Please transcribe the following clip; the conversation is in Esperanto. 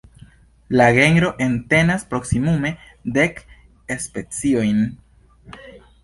La genro entenas proksimume dek speciojn.